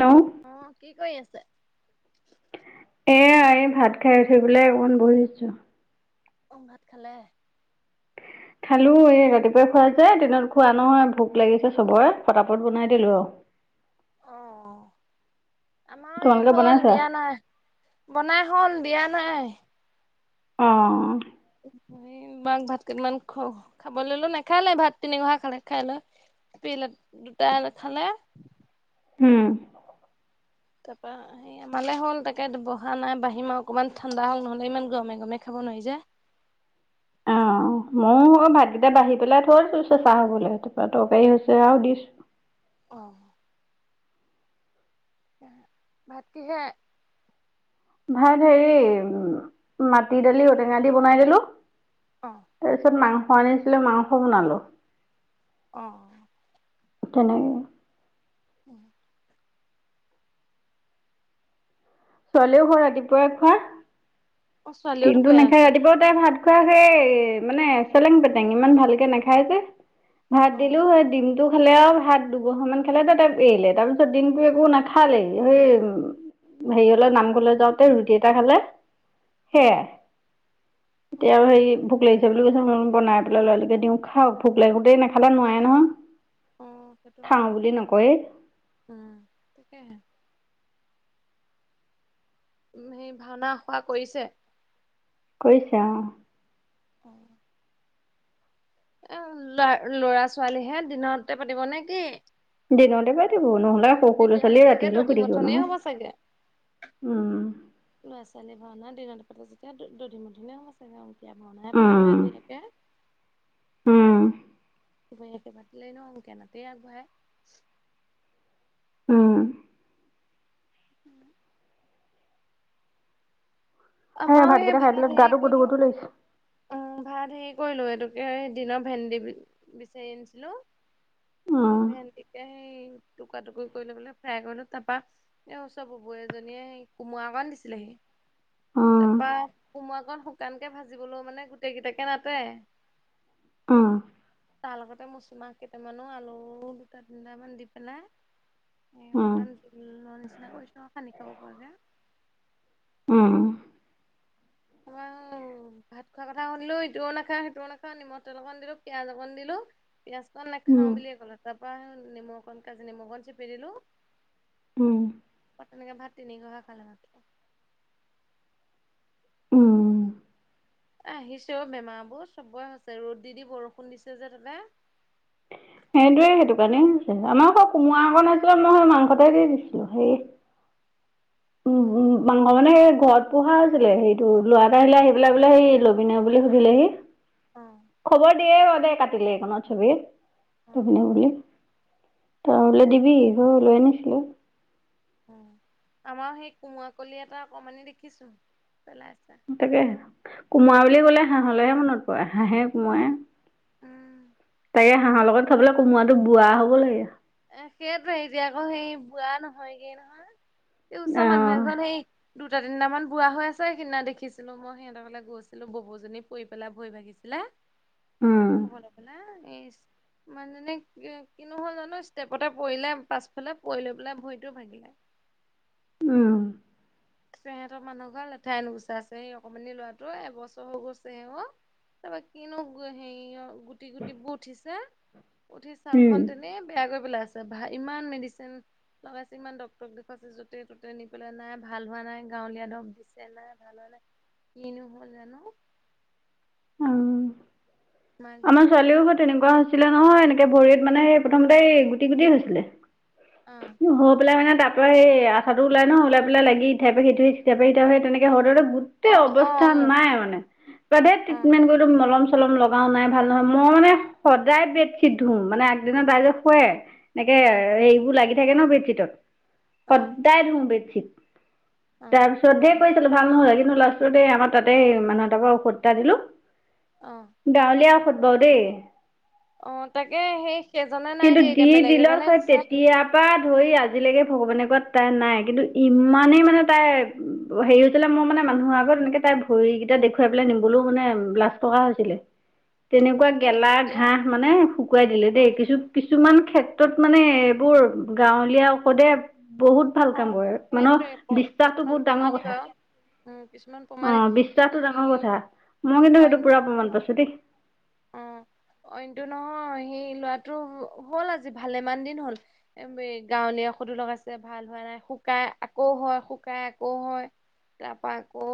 Hello! অ', কি কৰি আছে? এয়া এই ভাত খাই উঠি পেলাই অকমান বহিছোঁ। ঔ, ভাত খালে? খালোঁ, এই ৰাতিপুৱাই খোৱা যে দিনত খোৱা নহয়, ভোক লাগিছে চবৰে, পটাপট বনাই দিলোঁ আৰু। অ', আমাৰও এই তোমালোকে হ'ল বনাইছা? দিয়া নাই। বনাই হ'ল দিয়া নাই। অ'। [unintelligible] ভাত কেইটামান খাবলৈ দিলোঁ, নাখালে! ভাত তিনি খহা খালে, খাই লৈ [inaudible] উম। তাৰপৰা সে আমালে হ'ল, তাকে বহা নাই, বাঢ়িম আৰু। অকণমান ঠাণ্ডা হওঁক, নহ'লে ইমান গৰমে, গৰমে খাব নোৱাৰি যে। অ', ময়ো ঔ ভাতকেইটা বাঢ়ি পেলাই থৈ দিছোঁ চেঁচা হ'বলে, তাৰপা তৰকাৰী হৈছে আৰু দিছোঁ। অ'। ভাত কিহে? ভাত হেৰি, মাটি দালি ঔ-টেঙা দি বনাই দিলোঁ। অ'। তাৰপিছত মাংস আনিছিলোঁ, মাংস বনালোঁ। অ'। তেনেকে। [inaudible] ছোৱালীও সৈ ৰাতিপুৱাই খোৱা। অ ছোৱালীও দিনটো দুপৰীয়া নাখায়, নাইখোৱা ৰাতিপুৱাও তাই ভাত খোৱা সেই মানে চেলেং পেটেং ইমান ভালকে নাখায় যে। ভাত অ দিলোঁ সেই দি টো খালে আৰু ভাত দুঘহা মান খালে, তাতে এৰিলে তাৰপিছত দিনটো একো নাখালেই, উম। হেৰি অলে নামঘৰলে যাওঁতে ৰুটি এটা খালে, অ সেয়াই। অ এতিয়া আৰু হেৰি ভোক লাগিছে বুলি কৈছে মই বুলো বনাই পেলাই ল'ৰাটোকে দিওঁ খাওঁক, ভোক লাগোতেই নাখালে নোৱাৰে নহয়। অ', সেইটো হয় খাওঁ বাৰু বুলি নকয়ে উম, তাকেহে। উম, সেই ভাওনাৰ আখৰা কৰিছে? কৰিছে অ',। অ', এই ল'ৰা-ল'ৰা ছোৱালীহে, দিনতে পাতিব নেকি? দিনতে পাতিব। নহ'লে, সৰু-সৰু ল'ৰা তেতিয়াহ'লে ছোৱালী চাগে ৰাতিলৈ দধি শুই থাকিব মথনে নহয়। হ'ব উম। ল'ৰা-ছোৱালীৰ ভাওনা দিনতে পাতে যেতিয়া, দধি-মথনে হ'ব। অংকীয়া ভাওনাহে পাতিব উম এইবিলাকে। উম দুপৰীয়াকে পাতিলে এনেও, অংকীয়া নাটেই আগবঢ়ায়। উম। সেই আমাৰো হে ভাতকেইটা খাই ভাত দিলত হেৰি গাটো গুধু কৰিলোঁ গুধু লাগিছে। উম, ভাত হেৰি কৰিলো। এইটোকে দিনত ভেণ্ডি বিচাৰি আনিছিলো তাৰপা, উম, ভেণ্ডিকে সেই টুকুৰা- টুকুৰি কৰি লৈ পেলাই ফ্ৰাই কৰিলো। তাৰপা এ ওচৰ বুবু এজনীয়ে কোমোৰা অকণ দিছিলেহি উম, তাৰপা, কোমোৰাকণ শুকানকে ভাজিবলৈও মানে গোটেই কেইটাকে নাতে উম। তাৰ লগতে মচুমাহ কেইটামানো আলু দুটা তিনটামান দি পেলাই এই উম, অকণমান জোলৰ নিচিনা কৰিছোঁ, আৰু সানি খাব পৰাকে উম। [inaudible] ভাত খোৱা কথা শুনিলো, ইটোয়েও নাখায় সিটোয়েও নাখাওঁ, নিমখ তেল অকন দিলো, পিয়য়াজ অকণ দিলো পিয়াঁজকণ উম, নাখাওঁ বুলিয়ে ক'লে, তাৰপা সে নেমু অকণ কাজি নেমুঅকণ চেপি দিলোঁ উম, অ', তেনেকে ভাত তিনি ঘহা খালে মানে। উম। আহিছে অ বেমাৰবোৰ। চবৰে হৈছে, ৰ'দ দি দি বৰষুণ দিছে যে তাতে। সেইটোৱে সেইটো কাৰণেই হৈছে। আমাৰ কোমোৰাঅকণ আছিলে মই সেই মাংসতেই দিছোঁ। হেৰি উম অ উম মাংস মানে সেই ঘৰত পোহা আছিলে সেইটো, ল'ৰা এটা আহিলে আহি পেলাই বোলে হেৰি লবিনে বুলি সুধিলেহি। অ খবৰ দিয়ে বাৰু দে কাটিলে এইকনত চৱেই। অ থবিনে বুলি, ত বুলি দিবি লৈ আনিছিলোঁ। অ আমাৰো সেই কোমোৰাকলি এটা অকণমানি দেখিছোঁ। পেলাইছে। তাকে, কোমোৰা বুলি ক'লে হাঁহলেহে মনত পৰে। হাঁহে কোমোৰায়ে উম তাকে, হাঁহৰ লগত খাবলে কোমোৰাটো বুঢ়া হ'ব লাগে। এ সেইটোৱে এতিয়া আকৌ সেই বুঢ়া নহয়গে নহয়। এই ওচৰ মানুহ অ', এঘৰত সেই দুটা-তিনিটামান বুঢ়া হৈ আছে, সেইদিনা দেখিছিলোঁ মই সিহঁতৰঘৰলে গৈছিলো ববৌজনী পৰি পেলাই ভৰি ভাগিছি ছিলে উম, খবৰ লবলে। এই মানু্হজনী কিনোহ'ল জানো ষ্টেপতে পৰিলে পাছফালে, পৰিলৈ পেলাই ভৰিটো ভাঙিলে। উম। তেহেতৰ মানুহঘৰৰ লেঠাই নুগুচে হৈছে, সেই অকণমানি ল'ৰাটো এবছৰ হৈ গৈছেহে অ। তাৰপা কিনো হেৰি অ গুটি-গুটিবোৰ উঠিছে। উঠি উম, ছালখন তেনেই বেয়াকৈ পেলাইছে। ভা ইমান মেডিচিন লগাইছো, ইমান ডক্টৰক দেখুৱাইছোঁ, য'তে- ত'তে নি পেলাই নাই ভাল হোৱা নাই, গাঁৱলীয়া দৰৱ দিছে নাই ভাল হোৱা নাই। কিনো হ'ল জানো! অ'। আমাৰ মাকজনী তেনে ছোৱালীও হৈ তেনেকুৱা হৈছিলে নহয়, এনেকে ভৰিত মানে এ প্ৰথমতে এই গুটি গুটি হৈছিলে। অ। হৈ পেলাই মানে তাৰপা সেই আঠাটো ওলাই ন, ওলাই পেলাই লাগি ইঠাই পা সিঠাই সিঠাই পা ইঠাই হৈ তেনেকে হওঁতে হওঁতে গোটেই অ অ অৱস্থা নাই মানে, প্ৰভে অ ট্ৰিটমেন্ট কৰি মলম-চলম লগাও নাই ভাল নহয়, মই মানে সদায় বেডশ্বিট ধোওঁ মানে আগদিনা তাইজে শুয়ে তাকে উম এইবোৰ লাগি থাকে ন বেডশ্বীটত, অ সদায় ধওঁ বেডশ্বিট। অ তাৰপিছতহে ধেৰ কৰিছিলো ভাল নহ'লে, কিন্তু লাষ্টতে আমাৰ তাতে মানুহ তাৰ পৰা ঔষদ দিলো অ'। গাঁৱলীয়া ঔষদ বাৰু দেই। অ' তাকে সেই সেইজনে নাই দিয়া এতিয়া বেলেগ এজনে দিছে। পা ধৰি আজিলৈকে ভগৱানে কৃপাত তাই নাই, কিন্তু ইমানেই মানে তাই হেৰি হৈছিলে মোৰ মানে মানুহৰ আগত এনেকে তাই ভৰি কেইটা দেখুৱাই পেলাই নিমবলৈও মানে লাজ লগা হৈছিলে। তেনেকুৱা এ গেলা এতিয়া ঘাঁহ মানে শুকুৱাই দিলে অ দেই, কিছু কিছুমান ক্ষেত্ৰত মানে এইবোৰ গাঁৱলীয়া ঔষধে বহুত ভাল অ কাম কৰে। মানুহ সেইটোৱে বিশ্বাসটো কিছুমান বহুত ডাঙৰ প্ৰমাণী কথা। বাৰু উম কিছুমান প্ৰমাণী অ এতিয়া বিশ্বাসটো সেই ডাঙৰ কথা। মই কিন্তু সেইটো পুৰা প্ৰমাণ অইনটো পাইছো দেই। অ অইন টো নহয় সেই লৰাটো হ'ল আজি ভালেমান দিন হ'ল। এ গাঁৱলিয়া ঔষধো লগাই আছে ভাল হোৱা নাই, শুকাই আকৌ হয় শুকাই আকৌ হয়। তাৰপৰা আকৌ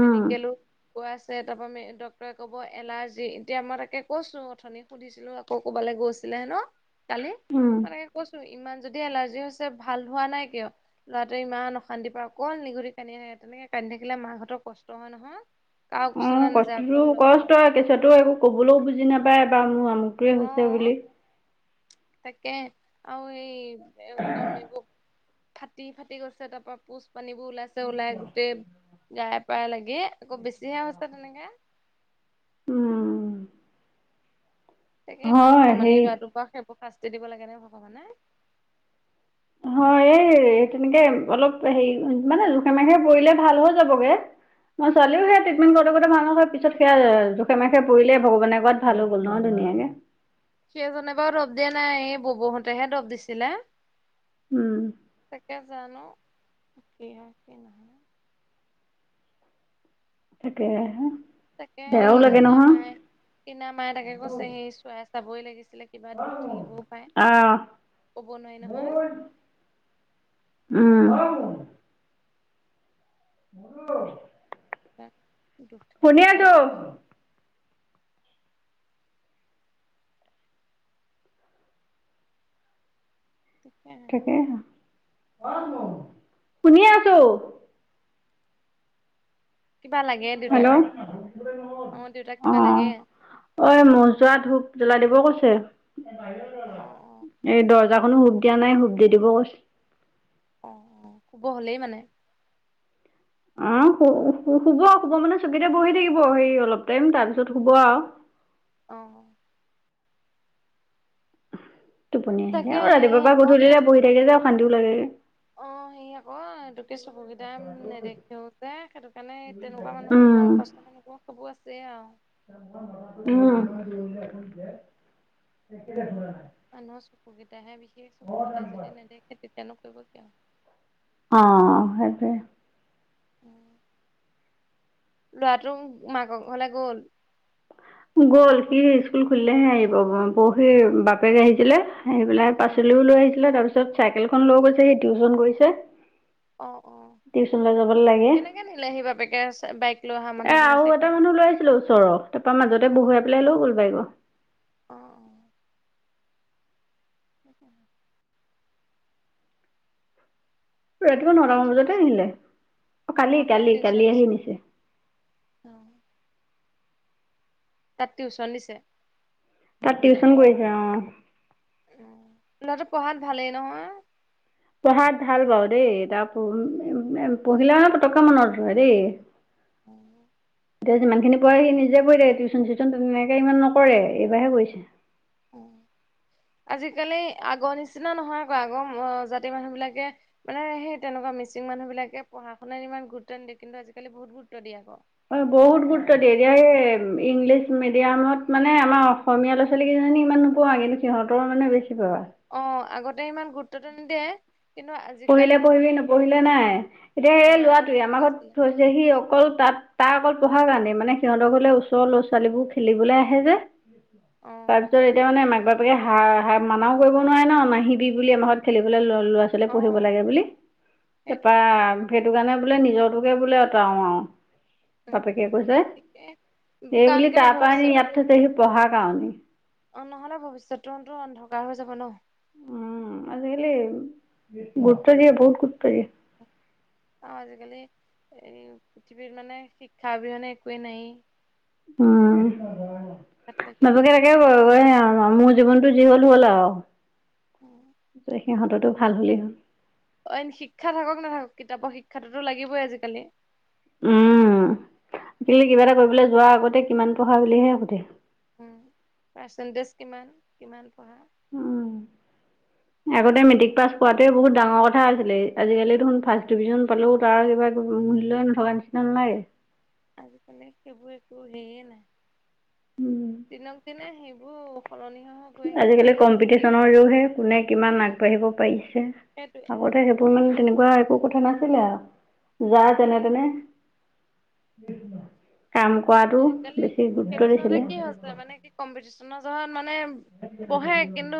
উম মেডিকেলো গৈ আছে, তাৰ পৰা ডাক্তৰে ক'ব এলাৰ্জি এতিয়া মই তাকে কৈছো, অথনি সুধিছিলো আকৌ ক'বালৈ গৈছিলে হেনো কালি, উম মানে কৈছো ইমান যদি এলাৰ্জি হৈছে ভাল হোৱা নাই কিয়? লৰাটোৱে ইমান অশান্তি পায় অকল নিগূতি কান্দিয়ে থাকে, তেনেকে কান্দি থাকিলে মাকহঁতৰ কষ্ট হয় নহয়। কাৰো কোচলে নাযায় অকল লৰাটো মাঁক- কেঁচুৱা টো একো কবলৈও বুজি নাপায় বাৰ মোৰ আমুকটোৱে হৈছে অ বুলি। তাকে আৰু এই একদম এইবোৰ ফাটি ফাটি গৈছে তাৰ পৰা পূজপানীবোৰ ওলাইছে, ওলাই গোটেই গাই পায়ে লাগি আকৌ বেছিহে হৈছে তেনেকৈ। উম তাকে ইমান হয় অকণমানি হেই লৰাটোক বাৰু সেইবোৰ শাস্তি দিব লাগে নে ভগৱানে? হয় এই তেনেকে অলপ হেৰি, মানে জোখে মাখে পৰিলে ভাল হৈ যাবগৈ। মই ছোৱালীও সেই তাকে ট্ৰিটমেণ্ট কৰ লগতে ভাল নহয় পিছত সেয়া জোখে মাখে পৰিলেই ভগৱানে কৰাত ভালো হৈ গ'ল নহয় ধুনীয়াকে। সেইজনে বাৰু দৰব দিয়া নাই, এই বুবুহঁতেহে দৰব দিছিলে। উম। তাকে জানো কি হয় কি নহয়। তাকে হে! তাকে সেই সিদিনা মায়ে সিদিনা মায়ে তাকে কৈছে সেই চোৱাই চাবই লাগিছিলে কিবা দোষ থাকিবও পাৰে, আহ ক'ব নোৱাৰি নহয়। উম। [inaudible] পাৰে দুখ শুনি থাকিবও পাৰে কিবা। আছো তাকে তাকেহে, শুনি আছো। কিবা লাগে দেউতাক? হেল্ল' অ', দেউতাক অ কিবা লাগে? ঐ মহ যোৱা ধূপ জ্বলাই দিব কৈছে? অ অ এই [unintelligible] [unintelligible] খনো হুপ দিয়া নাই, হুপ দি দিব কৈছে। অ', অ', শুব হলেই মানে? উম, শুব-শুব মানে চকীতে বহি থাকিব, হেই অলপ টাইম তাৰপিছত শুব আৰু। অ'। টোপনি আহিলে, তাকে অ', হেৰি ৰাতিপুৱাৰ পৰা আকৌ গধূলিলে বহি থাকিলে অশান্তিও লাগেগে। অ', হেৰি আকৌ [unintelligible] চকু কেইটা নেদেখেও যে, সেইটো কাৰণে তেনেকুৱা মানুহ, উম বয়সস্থ মানুহবোৰৰ সেইবোৰ আছেই আৰু। [unintelligible] উম, [unintelligible] মানুহৰ চকুকেইটাহে বিশেষ, চকুকেইটাই যদি নেদেখে তেতিয়ানো কৰিব কিয়? অ', সেইটোৱে। ল'ৰাটো মাকৰ ঘৰলৈ গ'ল। গ'ল সি স্কুল খুলিলেহে আহিব, পৰহি বাপেক আহিছিলে আহি পেলাই অ পাচলিও লৈ আহিছিলে, তাৰ পিছত চাইকেলখন লৈ গৈছে সি টিউশন গৈছে। অ অ। কেনেকে নিলে সি বাপেকে বাইক লৈ অহা মানুহজনৰ চাইকেলখন? তাৰ মাজতে বহুৱাই পেলাই লৈ গ'ল বাইকৰ। অ অ। [inaudible] ৰাতিপুৱা নটামান টিউচন বজাতে দিছে আহিলে, অ তাত টিউচন কালি-কালি-কালি আহি দিছে নিছে। অ। তাত টিউচন দিছে? তাত টিউচন কৰিছে অ। ল'ৰাটো পঢ়াত ভালেই নহয়? পঢ়াত ভাল বাৰু দেই তাৰ পঢ়িলে পতকেই মনত ৰৈ দেই। এতিয়া যিমানখিনি পঢ়ে সি নিজে পঢ়ে টিউচন চিউ তেনেকে ইমান নকৰে এইবাৰহে কৰিছে। [inaudible] আজিকালি আগৰ নিচিনা নহয় আকৌ আগৰ অজাতিৰ মানুহবিলাকে মানে সেই তেনেকুৱা মিচিং মানুহবিলাকে পঢ়া শুনাত ইমান গুৰুত্ব নিদিয়ে। কিন্তু আজিকালি বহুত গুৰুত্ত্ব দিয়ে আকৌ। অ', বহুত গুৰুত্ব দিয়ে। এতিয়া এই ইংলিছ মিডিয়ামত মানে আমাৰ অসমীয়া ল'ৰা ছোৱালী কিজানি ইমান নোপোৱা কিন্তু সিহঁতৰ মানে বেছি পাবা। অ', আগতে ইমান গুৰুত্বটো নিদিয়ে। কিন্তু আজি পঢ়িলে পঢ়িবি নপঢ়িলে নাই। এতিয়া অ' ই আগতে ল'ৰাটোৱে আমাৰ তেনেকুৱা আছিলে ঘৰত থৈ যে সি অকল তাত তাৰ অকল পঢ়াৰ কাৰণে। মানে সিহঁতৰ গলে ওচৰ ল'ৰা ছোৱালীবোৰ খেলিবলৈ আহে যে। তাৰ অ' পিছত এতিয়া মানে মাক বাপেকে হা-হা মানাও কৰিব নোৱাৰে ন নাহিবি বুলি আমাৰ ঘৰত খেলিবলৈ ল-ল'ৰা ছোৱালী পঢ়িব অ' লাগে বুলি। তাৰপৰা সেইটোৱে সেইটো কাৰণে বোলে নিজটোকে বোলে আতৰাও আওঁ। বাপেকে উম। কৈছে। ঠিকে সেই কাৰণ বুলি কেলে তাৰ পৰা আনি ভৱিষ্যতটো ইয়াত থৈছেহি পঢ়াৰ কাৰণ। অ', নহ'লে ভৱিষ্যটো অন্ধকাৰ হৈ যাব ন। উম, আজিকালি গুৰুত্ব দিয়ে বহুত গুৰুত্ব দিয়ে। আৰু আজিকালি এই পৃথিৱীত মানে শিক্ষা অবিহনে একোৱেই নাইয়েই। উম, তাত লাগিবই। নাজানে তাকে মোৰ জীৱনতটো যি হ'ল হ'ল আৰু। সিহঁতৰটো ভাল হ'লে হ'ল। অন্য শিক্ষা থাকক নাথাকক কিতাপৰ শিক্ষাতোটো লাগিবই আজিকালি। উম, আজিকালি কিবা এটা কৰিবলৈ যোৱাৰ আগতে কিমান পঢ়া বুলিহে সোধে। উম, পাৰ্চেণ্টেজ কিমান কিমান পঢ়া। উম। আগতে মেট্ৰিক পাছ কৰাটোৱে বহুত ডাঙৰ কথা আছিলে। আজিকালি দেখোন ফাৰ্ষ্ট ডিভিজন পালেও তাৰ কিবা মূল্য নথকা নিচিনা নাই। আজিকালি সেইবোৰ একো হেৰিয়ে নাই। দিনক দিনে সেইবোৰ সলনি হৈ হৈ গৈ আহিছে আজিকালি আহি আছে কম্পিটিচনৰ যুগহে কোনে কিমান আগবাঢ়িব পাৰিছে। সেইটোৱে আগতে সেই তোৰ মানে তেনেকুৱা একো কথা নাছিলে আৰু যায় যেনে তেনে। কাম কৰাটো আজিকালি বেছি গুৰুত্ব দিছিলে। কম্পিটিশনৰ কাৰণে মানে পঢ়ে কিন্তু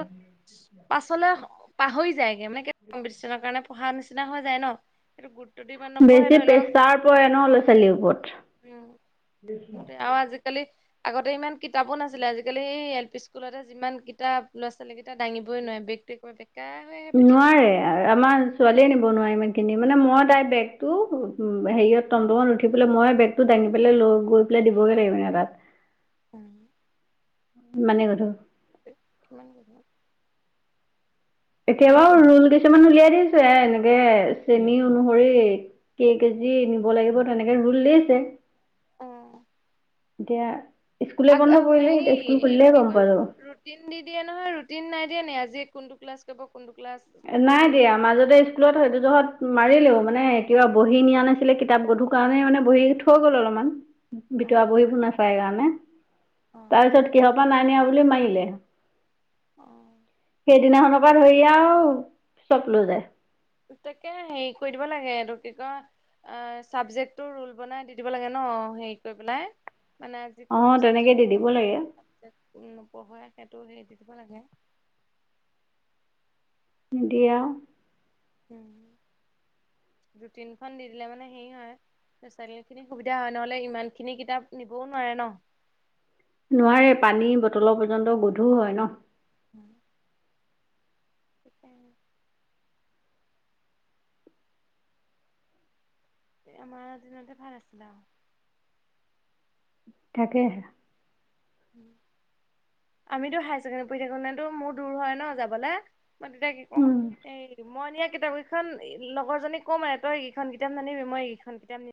পাছলৈ পাহৰি যায়গে মানে কম্পিটিশনৰ কাৰণে পঢ়া নিচিনা হৈ যায় ন। সেইটো গুৰুটো দি ইমান নপঢ়ে বেছি ধৰি লওঁক প্ৰেছাৰ এ পৰে ন ল'ৰা কিবা ছোৱালীৰ ওপৰত। উম। আগতে আৰু আজিকালি আগতে ইমান কিতাপো নাছিলে। আজিকালি এই এল পি স্কুলতে যিমান কিতাপ ল'ৰা ছোৱালী কেইটা দাঙিবই নোৱাৰে বেগ [inaudible] নোৱাৰে আমাৰ ছোৱালীয়ে নিব নোৱাৰে ইমানখিনি। মানে মই তাইৰ বেগটো হেৰিয়ত টমটমত উঠি পেলাই মই বেগ দাঙি পেলাই লৈ গৈ পেলাই দিবগে লাগে মানে তাত। উম। ইমানে গধুৰ। এ ইমাম গধুৰ। এতিয়া বাৰু ৰুল কিছুমান উলিয়াই দিছে এনেকে শ্ৰেণী অনুসৰি কেই কেজি নিব লাগিব তেনেকে ৰোল দিছে। অ'। এতিয়া স্কুলে আগ বন্ধ পৰিলে হেৰি এতিয়া স্কুল এইটো খুলিলেহে কি গম কয় পোৱা যাব। ৰুটিন দি দিয়ে নহয় ৰুটিন নাই দিয়ে নে আজি কোনটো ক্লাছ কৰিব কোনটো ক্লাছ নাই হেৰি হ'ব দিয়া মাজতে [unintelligible] মাৰিলেও মানে কিবা বহী নিয়া নাছিলে কিতাপ গধুৰ কাৰণে মানে বহী [unintelligible] [unintelligible] গ'ল অলপমান অ ভিতৰা বহীবোৰ নাচায় কাৰণে তাৰপিছত কি হ [unintelligible] [unintelligible] নাই নিয়া বুলি মাৰিলে। অ। সেইদিনাখনৰ পৰা ধৰি আও চপ লৈ যায়। তাকে হেৰি কৰি দিব লাগে এইটো কি কয় ছাবজেক্টটো ৰোল বনাই দি দিব লাগে ন হেৰি কৰি পেলাই। মানে আজি [unintelligible] অ তেনেকে চাবজেক্ট দি পঢ়াব দিব লাগে। [unintelligible] হেৰি দি দিব লাগে। নিদিয়ে আৰু উ দু তিনখন দি দিলে মানে হেৰি হয়। লছোৱালী খিনি সুবিধা হয় নহলে ইমান খিনি কিতাপ নিবও নোৱাৰে ন? নোৱাৰে পানী বটলৰ পৰ্যন্ত গধুৰ হয় ন? [inaudible] [inaudible] এই আমাৰ দিনতে ভাল আছিলে আৰু। তাকে আমিতো হায় চছেকেণ্ডৰী পঢ়ি থাকো ন তো মোৰ দূৰ হয় ন যাবলে মই তেতিয়া কি কৰো উম। [unintelligible] মই নিয়া কিতাপকেইখন লগৰজনীক কম আৰু তই এইকিখন কিতাপ নানিবি মই এইকিখন কিতাপ [unintelligible]